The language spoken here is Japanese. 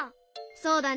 そうだね。